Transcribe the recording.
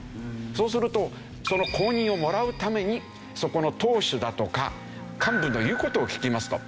そうするとその公認をもらうためにそこの党首だとか幹部の言う事を聞きますと。